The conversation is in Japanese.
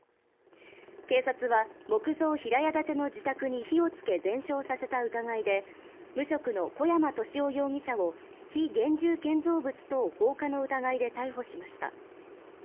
警察は木造平屋建ての自宅に火をつけ全焼させた疑いで無職の小山利男容疑者を非現住建造物等放火の疑いで逮捕しました。